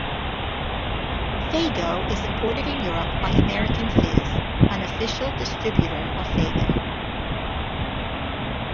Faygo is imported in Europe by American Fizz, an official distributor of Faygo.